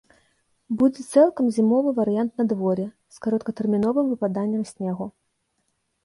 Будзе цалкам зімовы варыянт надвор'я, з кароткатэрміновым выпаданнем снегу.